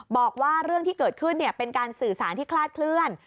บอกว่าเรื่องที่เกิดขึ้นเป็นการสื่อสารที่คลาดเคลื่อน